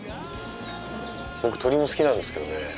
・僕鳥も好きなんですけどね。